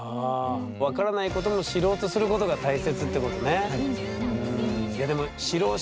分からないことも知ろうとすることが大切ってことね。